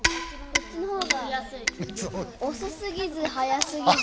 こっちのほうが遅すぎず速すぎず。